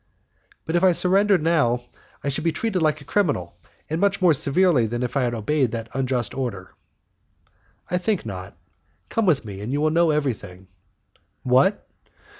"But if I surrendered now I should be treated like a criminal, and much more severely than if I had obeyed that unjust order." "I think not. Come with me, and you will know everything." "What!